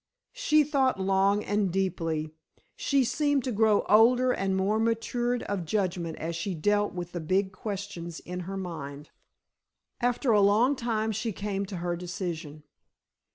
She thought long and deeply. She seemed to grow older and more matured of judgment as she dealt with the big questions in her mind. After a long time she came to her decision.